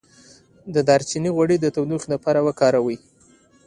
د دارچینی غوړي د تودوخې لپاره وکاروئ